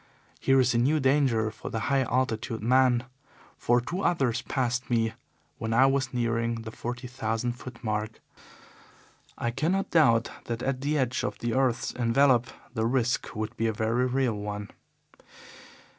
Here is a new danger for the high altitude man, for two others passed me when I was nearing the forty thousand foot mark. I cannot doubt that at the edge of the earth's envelope the risk would be a very real one.